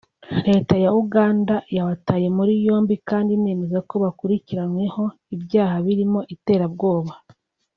Leta ya Uganda yabataye muri yombi kandi inemeza ko bakurikiranyweho ibyaha birimo iterabwoba